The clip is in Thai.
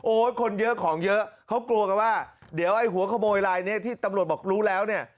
คนเยอะของเยอะเขากลัวกันว่าเดี๋ยวไอ้หัวขโมยลายนี้ที่ตำรวจบอกรู้แล้วเนี่ย